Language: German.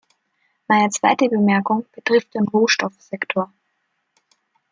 Meine zweite Bemerkung betrifft den Rohstoffsektor.